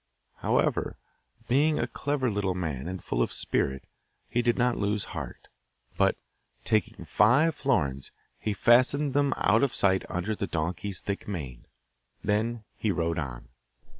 However, being a clever little man and full of spirit, he did not lose heart, but, taking five florins, he fastened them out of sight under the donkey's thick mane. Then he rode on.